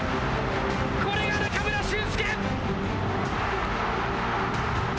これが中村俊輔！